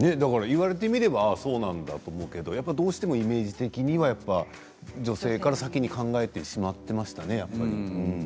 言われてみればそうなんだと思うんですがイメージ的には女性から先に考えてしまっていましたね、やっぱり。